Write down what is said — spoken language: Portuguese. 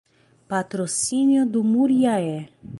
Patrocínio do Muriaé